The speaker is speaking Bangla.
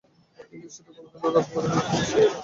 কিন্তু সে তো কোনোদিন ওরাপ করে না, তবে সে কোন পাঠশালায় যাইবে?